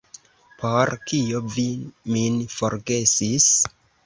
Por kio vi min forgesis?